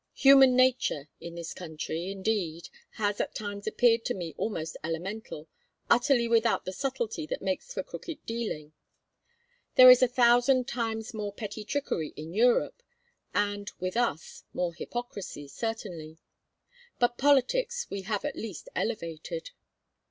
Human nature in this country, indeed, has at times appeared to me almost elemental, utterly without the subtlety that makes for crooked dealing. There is a thousand times more petty trickery in Europe; and, with us, more hypocrisy, certainly; but politics we have at least elevated.